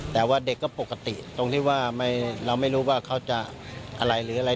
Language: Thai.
แต่ว่าเด็กก็ปกติตรงที่ว่าเราไม่รู้ว่าเขาจะอะไรหรืออะไร